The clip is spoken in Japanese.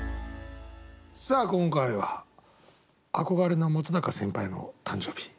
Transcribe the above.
さあ今回は憧れの本先輩の誕生日。